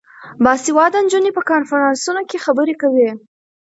باسواده نجونې په کنفرانسونو کې خبرې کوي.